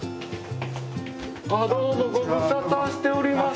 ああどうもご無沙汰しております！